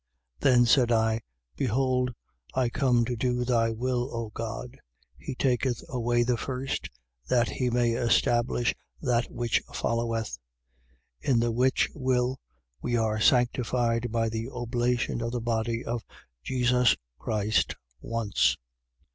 10:9. Then said I: Behold, I come to do thy will, O God: He taketh away the first, that he may establish that which followeth. 10:10. In the which will, we are sanctified by the oblation of the body of Jesus Christ once.